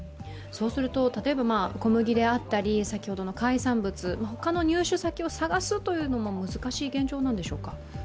そうすると例えば小麦であったり、先ほどの海産物、他の入手先を探すのも難しい現状なんでしょうか。